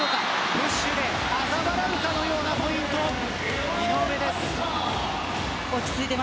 プッシュであざ笑うかのようなポイント井上です。